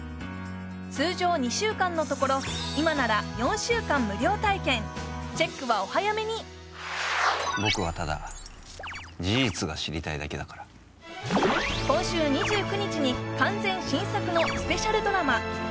通常２週間のところ今なら４週間無料体験チェックはお早めに僕はただ事実が知りたいだけだから今週２９日に完全新作のスペシャルドラマ